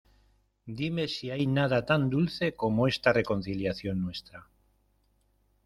¡ dime si hay nada tan dulce como esta reconciliación nuestra!